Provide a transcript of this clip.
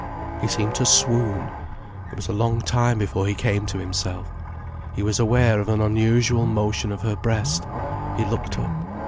He seemed to swoon. It was a long time before he came to himself. He was aware of an unusual motion of her breast. He looked up.